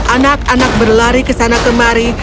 anak anak berlari ke sana kemari